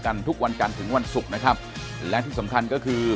ตัวตึงเลย